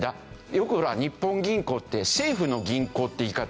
よくほら日本銀行って「政府の銀行」って言い方